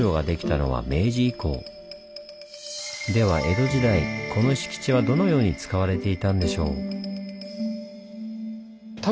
では江戸時代この敷地はどのように使われていたんでしょう？